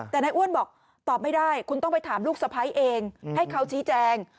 ตอบไม่ได้คุณต้องไปถามลูกสะพ้ายเองให้เขาชี้แจง